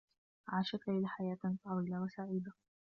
عاشت ليلى حياة طويلة و سعيدة.